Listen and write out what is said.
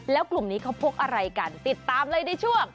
แล้วกลุ่มนี้เขาพกอะไรกันติดตามเลยในช่วง